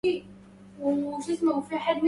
إذا وهى الحب فالهجران يقتله